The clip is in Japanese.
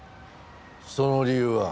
その理由は？